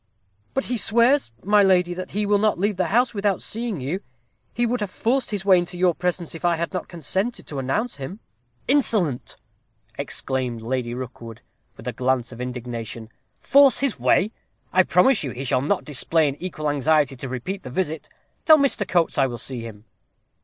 "But he swears, my lady, that he will not leave the house without seeing you he would have forced his way into your presence, if I had not consented to announce him." "Insolent!" exclaimed Lady Rookwood, with a glance of indignation; "force his way! I promise you he shall not display an equal anxiety to repeat the visit. Tell Mr. Coates I will see him."